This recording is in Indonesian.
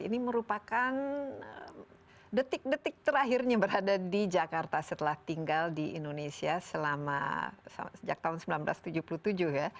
ini merupakan detik detik terakhirnya berada di jakarta setelah tinggal di indonesia selama sejak tahun seribu sembilan ratus tujuh puluh tujuh ya